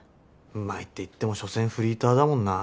うまいっていってもしょせんフリーターだもんな。